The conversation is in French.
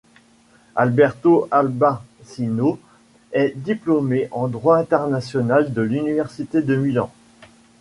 Alberto Arbasino est diplômé en droit international de l'université de Milan.